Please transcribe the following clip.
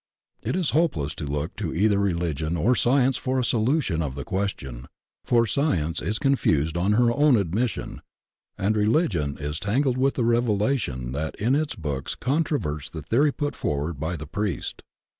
It is hopeless to look to either religion or science for a solution of the question, for science is confused on her own admission, and religion is tangled with a revelation that in its books controverts the theory put forward by the priest.